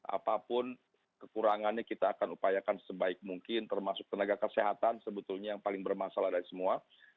apapun kekurangannya kita akan upayakan sebaik mungkin termasuk tenaga kesehatan sebetulnya yang paling bermasalah dari semua